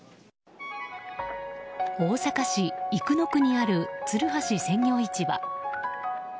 大阪市生野区にある鶴橋鮮魚市場。